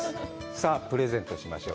さあ、プレゼントしましょう。